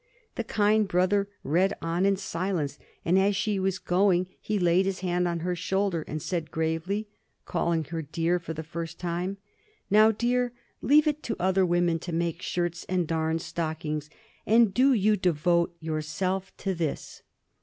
The kind brother read on in silence, and as she was going he laid his hand on her shoulder and said gravely (calling her "dear" for the first time), "Now, dear, leave it to other women to make shirts and darn stockings; and do you devote yourself to this."